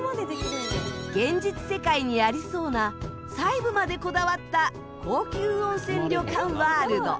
現実世界にありそうな細部までこだわった高級温泉旅館ワールド